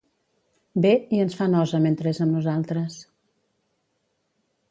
Ve, i ens fa nosa mentre és amb nosaltres.